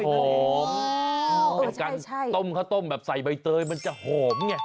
เป็นการต้มข้าวต้มแบบใส่ใบเตยมันจะหอมไง